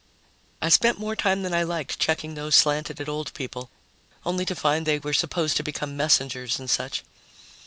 I spent more time than I liked checking those slanted at old people, only to find they were supposed to become messengers and such.